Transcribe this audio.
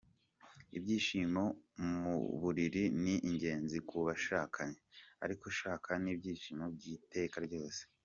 Ibyishimo mu buriri ni ingenzi ku bashakanye, ariko shaka n’ibyishimo by’iteka ryose.